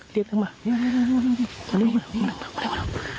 เรียบข้างมาเร็ว